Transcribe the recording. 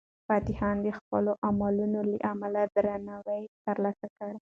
فتح خان د خپلو عملونو له امله درناوی ترلاسه کړ.